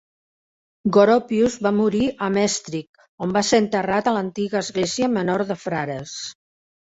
Goropius va morir a Maastricht, on va ser enterrat a l'antiga església menor de frares.